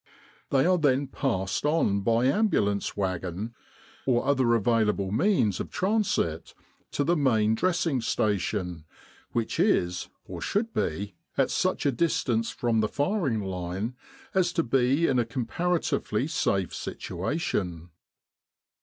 They are then passed on by ambulance wagon, or other available means of transit, to the Main Dressing Station, which is, or should be, at such a distance from the firing line as to be in a comparatively safe situation.